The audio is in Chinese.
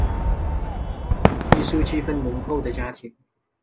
艺术气氛浓厚的家庭